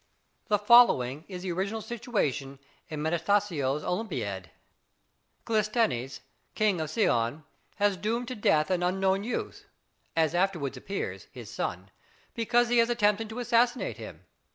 The following is the original situation in Metastasio's "Olimpiade." Clisthenes, King of Sicyon, has doomed to death an unknown youth (as afterwards appears, his son), {SONG FOR AL. WEBER, 1778.} (421) because he has attempted to assassinate him.